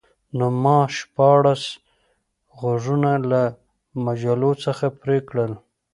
نو ما شپاړس غوږونه له مجلو څخه پرې کړل